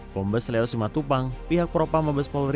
bombe seleosima tupang pihak propam mabes polri